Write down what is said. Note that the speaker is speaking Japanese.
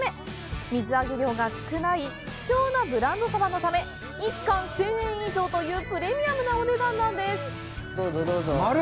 水揚げ量が少ない希少なブランド鯖のため１缶１０００円以上というプレミアムなお値段なんです！